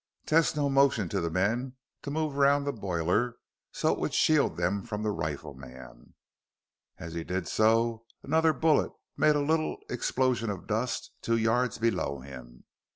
Tesno motioned to the men to move around the boiler so it would shield them from the rifleman. As he did so, another bullet made a little explosion of dust two yards below him.